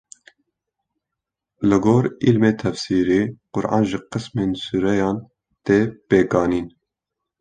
Li gor ilmê tefsîrê Quran ji qismên sûreyan tê pêkanîn.